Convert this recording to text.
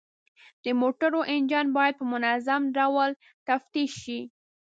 د موټرو انجن باید په منظم ډول تفتیش شي.